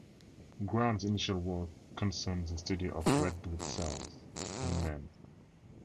Gram's initial work concerned the study of red blood cells in men.